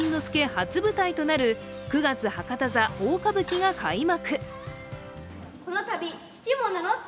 初舞台となる「九月博多座大歌舞伎」が開幕。